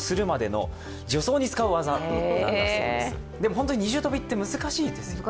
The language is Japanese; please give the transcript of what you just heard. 本当に二重跳びって、難しいですよね。